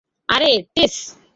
আরে, টেস।